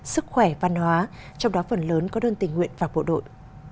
sức khỏe văn hóa trong đó phần lớn có đơn tình nguyện và bộ đội